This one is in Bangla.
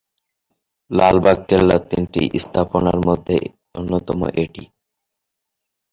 লালবাগ কেল্লার তিনটি স্থাপনার মধ্যে অন্যতম এটি।